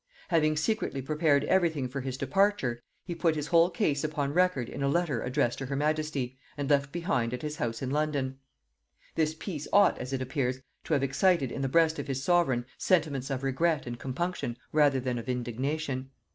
Having secretly prepared every thing for his departure, he put his whole case upon record in a letter addressed to her majesty, and left behind at his house in London. This piece ought, as it appears, to have excited in the breast of his sovereign sentiments of regret and compunction rather than of indignation.